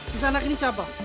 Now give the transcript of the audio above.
kisah anak ini siapa